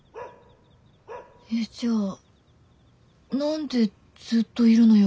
えっじゃあ何でずっといるのよ